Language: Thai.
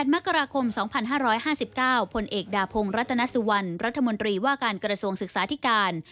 ๘มกราคม๒๕๕๙พลเอกดาพงค์รัตนัสวัลหน์รัฐมนตรีว่าการการสวงศึกษาอิทธิการ